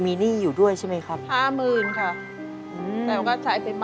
ต้องไปทุกวันแต่ได้มันก็ไม่ได้นะ